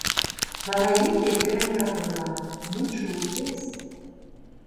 Вара икте ӧрынрак ойла: «Мутшо укес».